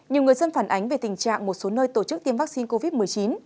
nhiều người dân phản ánh về tình trạng một số nơi tổ chức tiêm vaccine covid một mươi chín